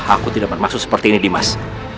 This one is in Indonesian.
aku tidak bermaksud seperti ini dimas